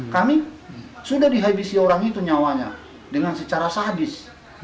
kami sudah dihabisi orang itu nyawanya dengan secara sahadis